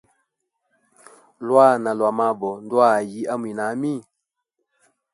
Lwana lwa mabo ndwa ayi a mwinami?